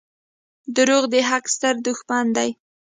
• دروغ د حق ستر دښمن دي.